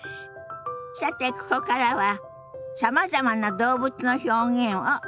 さてここからはさまざまな動物の表現をご紹介しましょ。